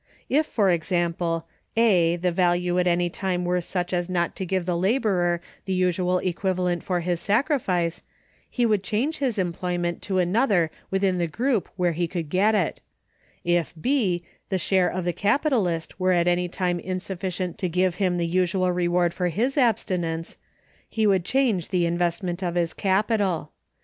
If, for example (a), the value at any time were such as not to give the laborer the usual equivalent for his sacrifice, he would change his employment to another within the group where he could get it; if (b) the share of the capitalist were at any time insufficient to give him the usual reward for his abstinence, he would change the investment of his capital.